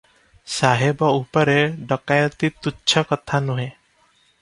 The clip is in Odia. ସାହେବ ଉପରେ ଡକାଏତି ତୁଚ୍ଛ କଥା ନୁହେଁ ।